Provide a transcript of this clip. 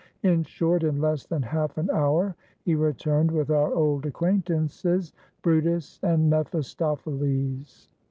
In short, in less than half an hour he returned with our old acquaintances, brutus and mephistopheles.